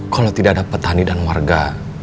kalau tidak ada petani dan warga